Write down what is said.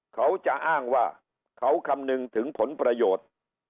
เขาจะอ้างว่าเขาคำนึงถึงผลประโยชน์